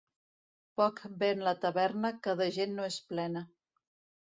Poc ven la taverna que de gent no és plena.